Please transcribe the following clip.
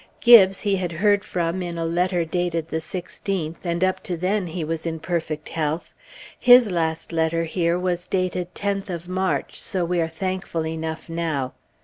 Gibbes he had heard from in a letter dated the 16th, and up to then he was in perfect health. His last letter here was dated 10th of March, so we are thankful enough now.